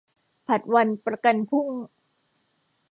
ผัดวันประกันพรุ่ง